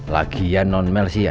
lagian non male sih ya